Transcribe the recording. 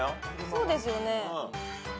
そうですよね。